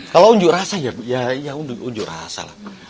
kalau unjuk rasa ya unjuk rasa lah